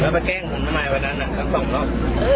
ไปแกล้งทำไมไปนั่นล่ะทำสองรอบ